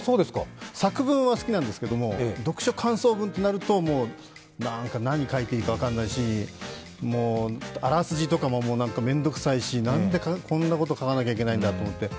作文は好きなんですけれども、読書感想文となるともうなんか、何書いていいか分かんないし、あらすじとかもめんどくさいしなんでこんなこと書かなきゃいけないんだと思って。